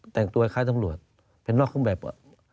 แต่งตัวอย่างคล้ายสำรวจเป็นนอกขึ้นแบบอ่ะ